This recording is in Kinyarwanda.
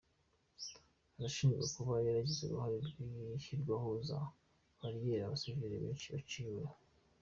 Arashinjwa kuba yaragize uruhare mw’ishyirwaho za bariyeri abasivile benshi biciweho.